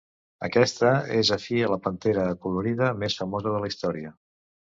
Aquesta és afí a la pantera acolorida més famosa de la història.